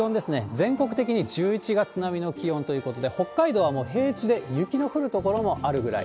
全国的に１１月並みの気温ということで、北海道はもう平地で雪の降る所もあるぐらい。